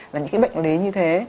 là những bệnh lý như thế